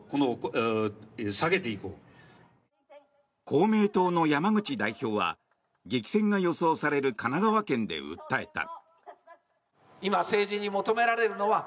公明党の山口代表は激戦が予想される神奈川県で訴えた。